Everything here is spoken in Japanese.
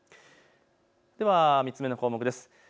では３つ目の項目です。